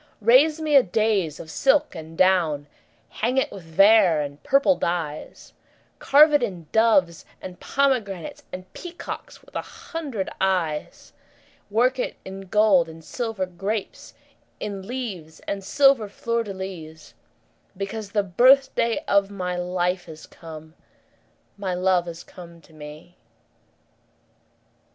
Raise me a daïs of silk and down; Hang it with vair and purple dyes; 10 Carve it in doves and pomegranates, And peacocks with a hundred eyes; Work it in gold and silver grapes, In leaves and silver fleurs de lys; Because the birthday of my life 15 Is come, my love is come to me.